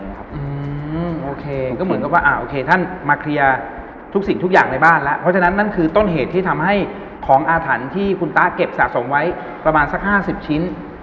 โอเคก็เหมือนกับว่าโอเคท่านมาเคลียร์ทุกสิ่งทุกอย่างในบ้านแล้วเพราะฉะนั้นนั่นคือต้นเหตุที่ทำให้ของอาถรรพ์ที่คุณตะเก็บสะสมไว้ประมาณสัก๕๐ชิ้น